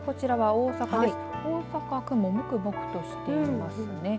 大阪、雲、もくもくとしていますね。